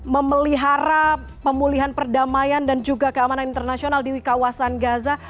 memelihara pemulihan perdamaian dan juga keamanan internasional di kawasan gaza